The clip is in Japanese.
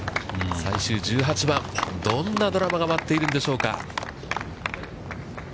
最終１８番、どんなドラマが待っているんでしょうか。